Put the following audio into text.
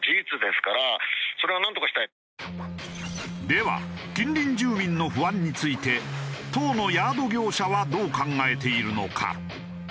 では近隣住民の不安について当のヤード業者はどう考えているのか？